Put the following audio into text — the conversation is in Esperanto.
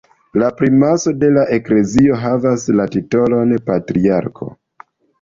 La primaso de la eklezio havas la titolon patriarko.